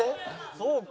そうか。